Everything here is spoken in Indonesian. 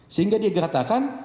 sehingga dia mengatakan